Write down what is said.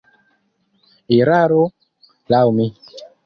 Eraro, laŭ mi.